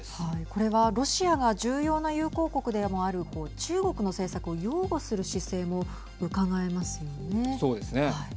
これはロシアが重要な友好国でもある中国の政策を擁護する姿勢もそうですよね。